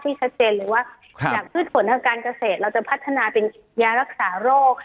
ชีวภาคที่ซัดเจนเลยว่าอย่างผิดผลการเกษตรเราจะพัฒนาเป็นยารักษารก